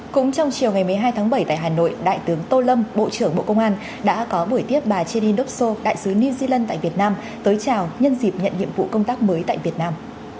cũng trong chiều ngày một mươi hai tháng bảy tại hà nội đại tướng tô lâm bộ trưởng bộ công an đã có buổi tiếp bà jin doso đại sứ new zealand tại việt nam tới chào nhân dịp nhận nhiệm vụ công tác mới tại việt nam